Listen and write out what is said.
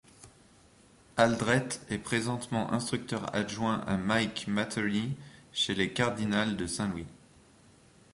Aldrete est présentement instructeur adjoint à Mike Matheny chez les Cardinals de Saint-Louis.